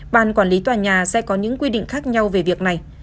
ban quản lý tòa nhà sẽ có những quy định khác nhau về việc này